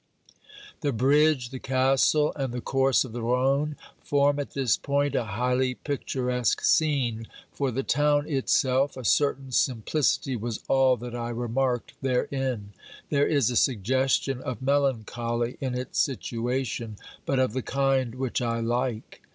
The bridge, the castle and the course of the Rhone, form at this point a highly picturesque scene ; for the town itself, a certain simplicity was all that I remarked therein. There is a suggestion of melancholy in its situation, but of the kind which I like.